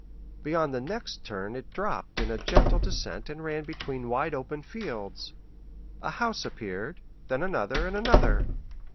Beyond the next turn it dropped in a gentle descent and ran between wide open fields. A house appeared, then another and another.